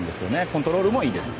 コントロールもいいです。